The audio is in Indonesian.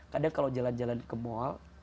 kadang kalau jalan jalan ke mal